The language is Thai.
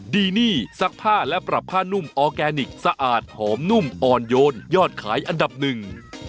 ดีนี่ซักผ้าและปรับผ้านุ่มออร์แกนิคสะอาดหอมนุ่มอ่อนโยนยอดขายอันดับหนึ่ง